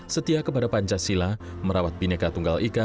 setia kepada pancasila merawat bineka tunggal ika